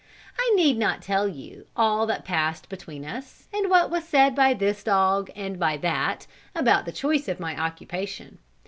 I need not tell you all that passed between us, and what was said by this dog and by that, about the choice of my occupation.